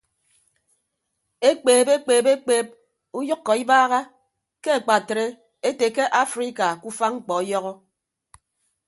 Ekpeeb ekpeeb ekpeeb uyʌkkọ ibaaha ke akpatre ete ke afrika ke ufa mkpọ ọyọhọ.